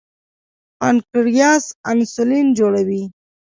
پانکریاس انسولین جوړوي.